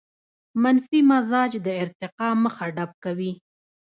منفي مزاج د ارتقاء مخه ډب کوي.